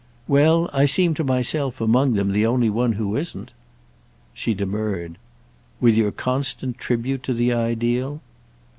"Well—I seem to myself among them the only one who isn't." She demurred. "With your constant tribute to the ideal?"